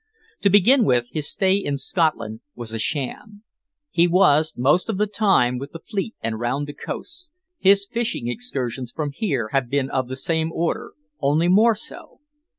To begin with, his stay in Scotland was a sham. He was most of the time with the fleet and round the coasts. His fishing excursions from here have been of the same order, only more so.